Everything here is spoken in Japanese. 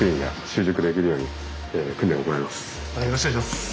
よろしくお願いします。